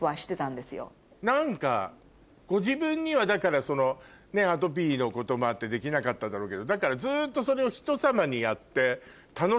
何かご自分にはだからそのアトピーのこともあってできなかっただろうけどだからずっとそれを人様にやって。